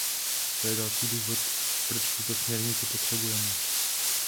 To je další důvod, proč tuto směrnici potřebujeme.